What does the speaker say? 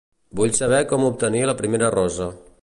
Vull saber com obtenir la primera rosa.